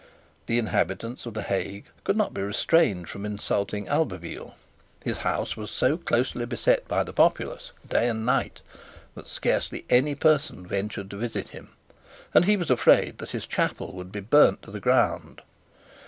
The inhabitants of the Hague could not be restrained from insulting Albeville. His house was so closely beset by the populace, day and night, that scarcely any person ventured to visit him; and he was afraid that his chapel would be burned to the ground.